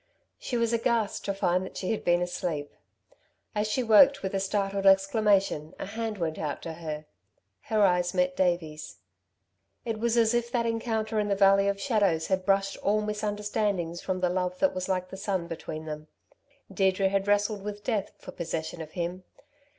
She was aghast to find that she had been asleep. As she woke with a startled exclamation, a hand went out to her. Her eyes met Davey's. It was as if that encounter in the valley of shadows had brushed all misunderstandings from the love that was like the sun between them. Deirdre had wrestled with death for possession of him.